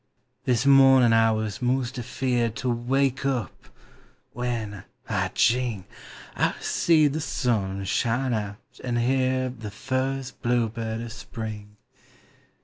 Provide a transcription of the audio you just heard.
This morning T was 'most afeard To wake up — when, I jing! I seen the sun shine out and heerd The firsl blur bird of Spring!